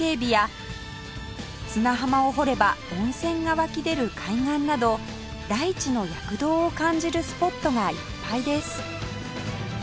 砂浜を掘れば温泉が湧き出る海岸など大地の躍動を感じるスポットがいっぱいです